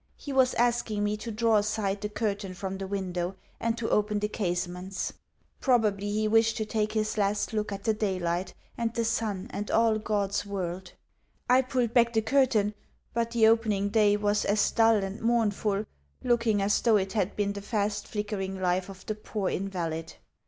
He was asking me to draw aside the curtain from the window, and to open the casements. Probably he wished to take his last look at the daylight and the sun and all God's world. I pulled back the curtain, but the opening day was as dull and mournful looking as though it had been the fast flickering life of the poor invalid.